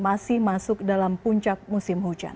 masih masuk dalam puncak musim hujan